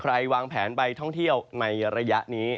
วางแผนไปท่องเที่ยวในระยะนี้